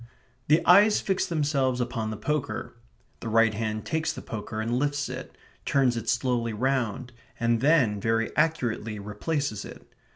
The eyes fix themselves upon the poker; the right hand takes the poker and lifts it; turns it slowly round, and then, very accurately, replaces it.